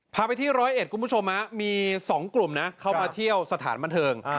พาไปที่๑๐๑คุณผู้ชมมี๒กลุ่มเข้ามาเที่ยวสถานบันเทิง